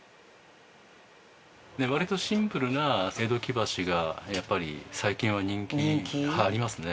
割とシンプルな江戸木箸がやっぱり最近は人気ありますね。